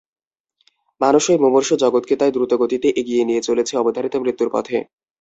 মানুষই মুমূর্ষু জগৎকে তাই দ্রুতগতিতে এগিয়ে নিয়ে চলেছে অবধারিত মৃত্যুর পথে।